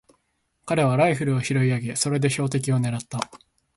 彼はライフルを拾い上げ、それで標的をねらった。